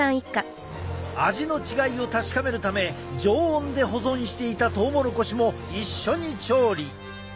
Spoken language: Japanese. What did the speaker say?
味の違いを確かめるため常温で保存していたトウモロコシも一緒に調理。